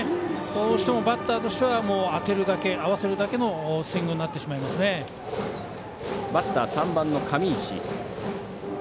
どうしてもバッターとしては当てるだけ、合わせるだけのバッター、３番の上石。